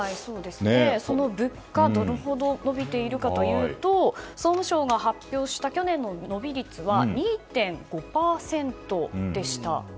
その物価どれほど伸びているかというと総務省が発表した去年の伸び率は２．５％でした。